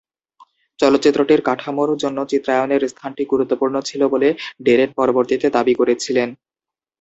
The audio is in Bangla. চলচ্চিত্রটির কাঠামোর জন্য চিত্রায়নের স্থানটি গুরুত্বপূর্ণ ছিল বলে ডেরেন পরবর্তীতে দাবি করেছিলেন।